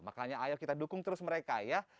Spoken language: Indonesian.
makanya ayo kita dukung terus mereka ya